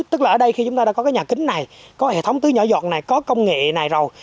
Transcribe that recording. tức là ở đây khi chúng ta đã có cái nhà kính này có hệ thống tưới nhỏ dọn này có công nghệ này rồi